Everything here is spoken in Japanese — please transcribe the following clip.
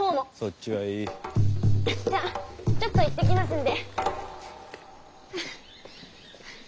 じゃあちょっと行ってきますんで。ハァハァ。